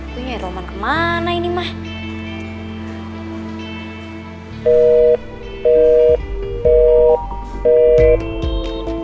gue nyari roman kemana ini mak